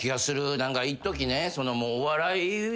何かいっときね。